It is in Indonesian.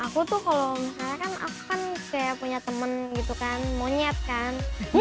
aku tuh kalau misalnya kan aku kan kayak punya temen gitu kan monyet kan